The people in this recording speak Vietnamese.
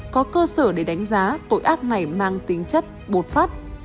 có cơ sở để đánh giá tội ác này mang tính chất bột phát